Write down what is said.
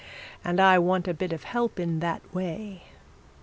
'And I want a bit of help in that way.'